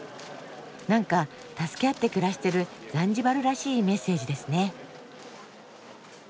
なんか助け合って暮らしてるザンジバルらしいメッセージですね。